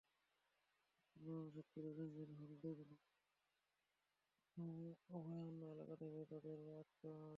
সুন্দরবনের সাতক্ষীরা রেঞ্জের হলদেবুনিয়া অভয়ারণ্য এলাকা থেকে তাঁদের আটক করা হয়।